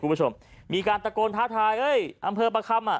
คุณผู้ชมมีการตะโกนท้าทายเอ้ยอำเภอประคำอ่ะ